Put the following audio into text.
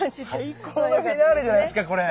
最高のフィナーレじゃないですかこれ。